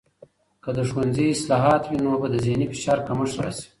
که د ښوونځي اصلاحات وي، نو به د ذهني فشار کمښت راسي.